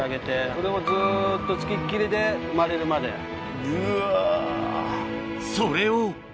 それをずっと付きっきりで生まれるまで・うわ。